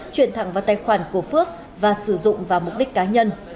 chuyển thẳng vào tài khoản của phước và sử dụng vào mục đích cá nhân